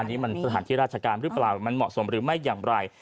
อันนี้มันสถานที่ราชการหรือเปล่ามันเหมาะสมหรือไม่อย่างไร